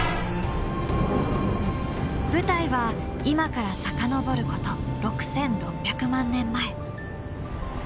舞台は今から遡ること６，６００万年前。